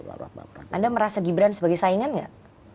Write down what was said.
anda merasa gibran sebagai saingan nggak